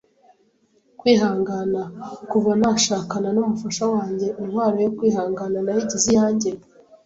KWIHANGANA : Kuva nashakana n’Umufasha wanjye, intwaro yo kwihangana nayigize iyanjye,